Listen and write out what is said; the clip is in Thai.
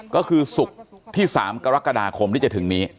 ก็คือศุกร์ที่๓กรกฎาคมที่จะถึงนี้